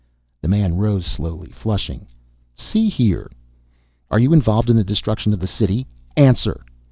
The man rose slowly, flushing. "See here " "Are you involved in the destruction of the city? Answer!"